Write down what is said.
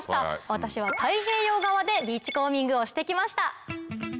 私は太平洋側でビーチコーミングをして来ました。